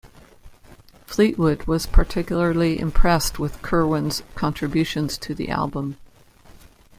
Fleetwood was particularly impressed with Kirwan's contributions to the album.